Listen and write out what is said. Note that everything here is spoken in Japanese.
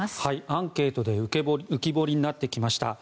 アンケートで浮き彫りになってきました。